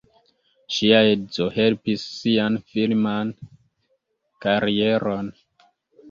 Ŝia edzo helpis sian filman karieron.